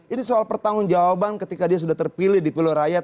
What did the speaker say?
ini soal pertanggung jawaban ketika dia sudah terpilih di pilih rakyat